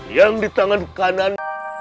yang di tangan kanan